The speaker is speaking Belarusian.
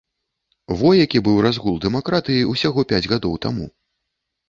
Во які быў разгул дэмакратыі ўсяго пяць гадоў таму!